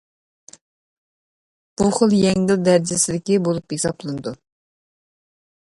بۇ خىلى يەڭگىل دەرىجىسىدىكى بولۇپ ھېسابلىنىدۇ.